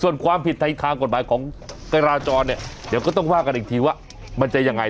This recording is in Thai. ส่วนความผิดทางกฎหมายของกราจรเนี่ยเดี๋ยวก็ต้องว่ากันอีกทีว่ามันจะยังไง